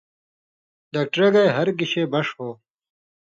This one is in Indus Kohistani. ڈاکٹرہ گے ہر گِشے بݜ ہو۔